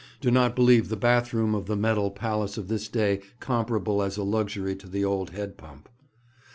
Do not believe the bath room of the metal palace of this day comparable as a luxury to the old head pump.